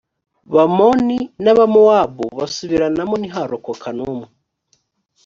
bamoni n’abamowabu basubiranamo ntiharokoka n’umwe